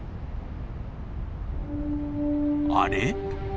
あれ？